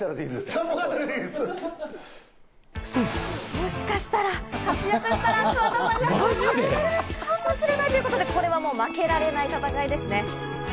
もしかしたら、活躍したら桑田さんがスタジオに来るかもしれないということで、これは負けられない戦いですね。